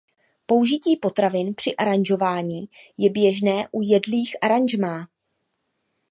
Použití potravin při aranžování je běžné u jedlých aranžmá.